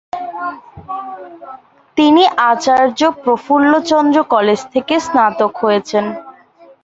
তিনি আচার্য প্রফুল্লচন্দ্র কলেজ থেকে স্নাতক হয়েছেন।